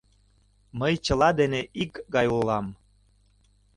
Мый чыла дене икгай улам.